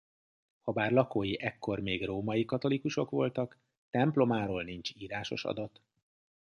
Habár lakói ekkor még római-katolikusok voltak templomáról nincs írásos adat.